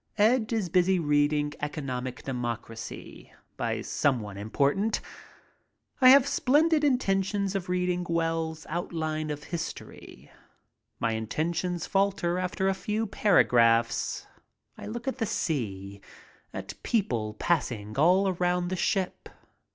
Ed is busy reading Economic Democracy by some one im portant. I have splendid intentions of reading Wells's Outline of History. My intentions falter after a few para graphs. I look at the sea, at people passing all around the ship.